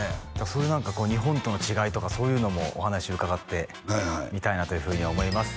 そういう何か日本との違いとかそういうのもお話伺ってみたいなというふうに思います